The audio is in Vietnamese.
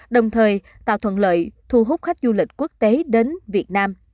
đồng thời tạo thuận lợi thu hút khách du lịch quốc tế đến việt nam